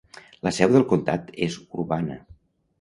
La seu del comtat és Urbana.